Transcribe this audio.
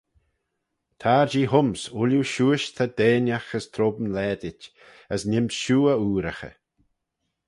Tar-jee hym's ooilley shiuish ta deinagh as trome laadit, as neem's shiu y ooraghey.